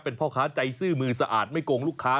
เป็นพ่อค้าใจซื้อมือสะอาดไม่โกงลูกค้า